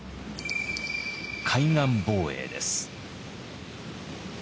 海岸防衛です。